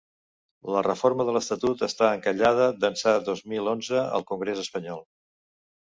La reforma de l’estatut està encallada d’ençà del dos mil onze al congrés espanyol.